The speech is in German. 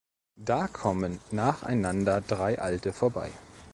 Da kommen nacheinander drei Alte vorbei.